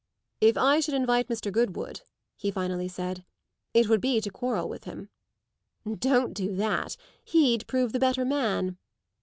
"If I should invite Mr. Goodwood," he finally said, "it would be to quarrel with him." "Don't do that; he'd prove the better man."